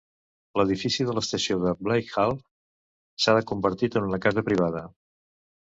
L'edifici de l'estació de Blake Hall s'ha convertit en una casa privada.